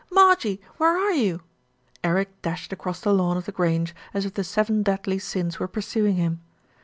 Marjie! Where are you?" IVj ^ r ^ c Cashed across the lawn of The Grange as if the Seven Deadly Sins were pursuing him.